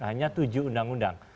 hanya tujuh undang undang